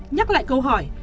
nhắc lại câu hỏi